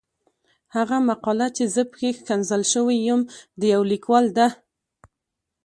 هغه مقاله چې زه پکې ښکنځل شوی یم د يو ليکوال ده.